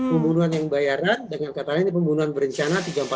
pembunuhan yang bayaran dengan katanya ini pembunuhan berencana tiga ratus empat puluh